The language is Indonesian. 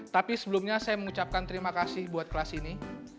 tapi sebelumnya saya mengucapkan terima kasih buat kelas ini